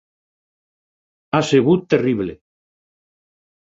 Ha sigut terrible.